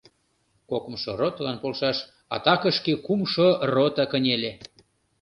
Кокымшо ротылан полшаш атакышке кумшо рота кынеле.